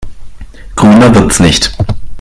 Grüner wird's nicht.